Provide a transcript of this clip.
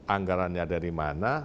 anggarannya dari mana